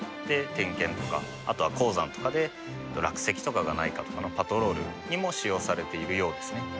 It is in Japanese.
で点検とかあとは鉱山とかで落石とかがないかとかのパトロールにも使用されているようですね。